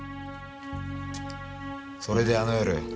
それであの夜。